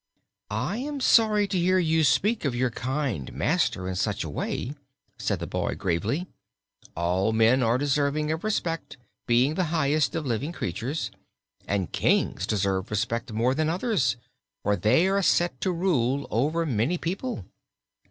"I am sorry to hear you speak of your kind master in such a way," said the boy gravely. "All men are deserving of respect, being the highest of living creatures, and Kings deserve respect more than others, for they are set to rule over many people."